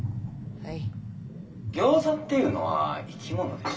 「はい」。